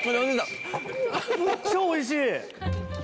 むっちゃおいしい！